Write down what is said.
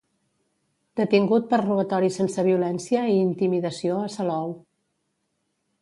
Detingut per robatori sense violència i intimidació a Salou.